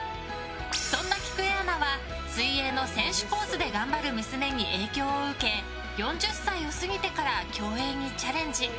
そんな、きくえアナは水泳の選手コースで頑張る娘に影響を受け、４０歳を過ぎてから競泳にチャレンジ。